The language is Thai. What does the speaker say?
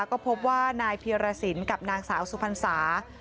ก็พบว่านายเพียรสินกับนางสาวสุพรรษา